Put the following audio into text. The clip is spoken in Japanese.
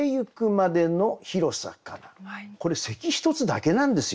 これ「咳ひとつ」だけなんですよ。